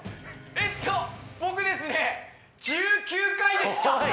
えっと僕ですね１９回でしたおい！